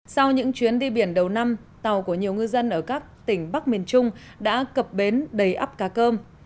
sau những chuyến đi biển đầu năm tàu của nhiều ngư dân ở các tỉnh bắc miền trung đã cập bến đầy ấp cá cơm